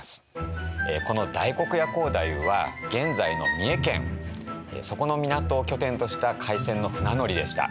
この大黒屋光太夫は現在の三重県そこの港を拠点とした廻船の船乗りでした。